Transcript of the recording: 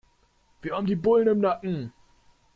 Wir haben die Bullen im Nacken.